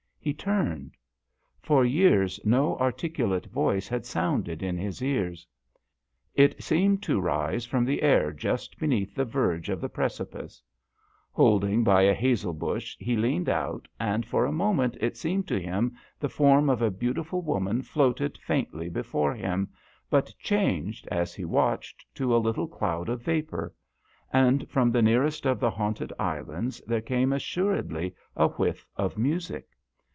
He turned. For years no articu late voice had sounded in his ears. It seemed to rise from the air just beneath the verge of the precipice. Holding by a hazel bush he leaned out, and for a moment it seemed to him the form of a beautiful woman floated faintly before him, but changed as he watched to a little cloud of vapour ; and from the nearest of the haunted islands there came assuredly a whiff of music.